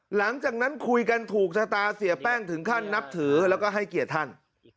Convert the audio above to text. หลังจากนั้นคุยกันถูกชะตาเสียแป้งถึงขั้นนับถือแล้วก็ให้เกียรติท่าน